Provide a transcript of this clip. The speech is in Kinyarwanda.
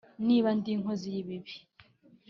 niba ndi inkozi y’ibibi